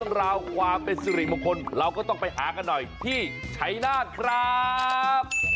ราวความเป็นสิริมงคลเราก็ต้องไปหากันหน่อยที่ชัยนาธครับ